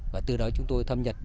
và từ đó chúng tôi thâm nhật